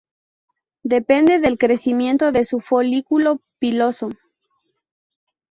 Depende del crecimiento de su folículo piloso.